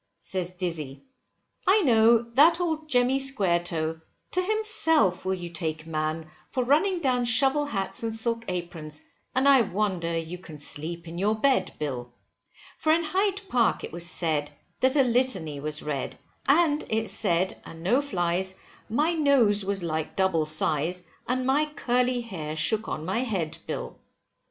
Says Dizzy, I know, that old Jemmy Squaretoe, to himself will you take man, for running down shovel hats and silk aprons, and I wonder you can sleep in your bed, Bill, For in Hyde Park it was said, that a litany was read, and it said, and no flies, my nose was like double size, and my curly hair shook on my head, Bill.